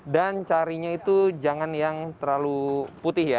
dan carinya itu jangan yang terlalu putih ya